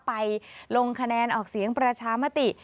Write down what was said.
ลงคะแนนออกเสียงประชามติ